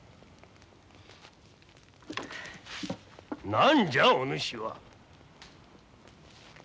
何じゃおぬしは？